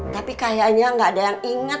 tapi kayaknya nggak ada yang ingat